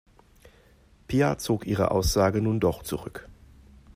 Pia zog ihre Aussage nun doch zurück.